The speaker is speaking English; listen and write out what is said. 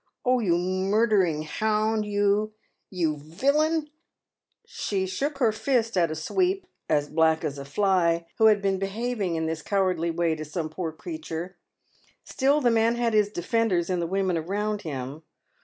Oh, you murdering hound, you ! you villun !" She shook her fist at a sweep — as black as a fly — who had been behaving in this cowardly way to some poor creature. Still the man had his defenders in the women around him.